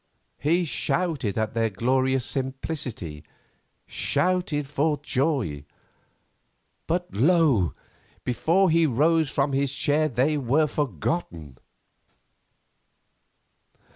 He shouted at their glorious simplicity—shouted for joy; but lo! before he rose from his chair they were forgotten.